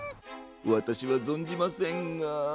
わたしはぞんじませんが。